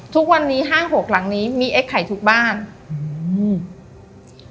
ทุกวันนี้ห้างหกหลังนี้มีไอ้ไข่ทุกบ้านอืม